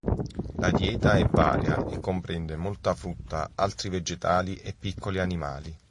La dieta è varia e comprende molta frutta, altri vegetali e piccoli animali.